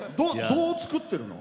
どう作ってるの？